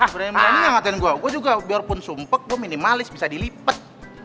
berani dua ngatain gua gua juga biarpun sumpek gua minimalis bisa dilipet